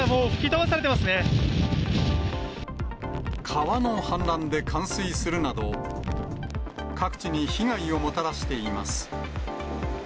川の氾濫で冠水するなど、各地に被害をもたらしています。